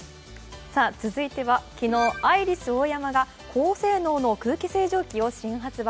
続いては昨日、アイリスオーヤマが高性能の空気清浄機を発売。